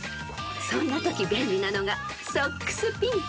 ［そんなとき便利なのが］